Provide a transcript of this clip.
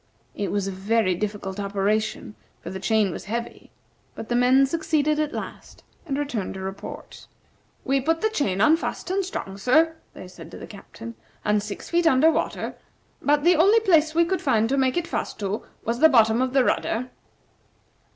It was a very difficult operation, for the chain was heavy, but the men succeeded at last, and returned to report. "We put the chain on, fast and strong sir," they said to the Captain; "and six feet under water. But the only place we could find to make it fast to was the bottom of the rudder."